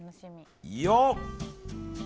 よっ！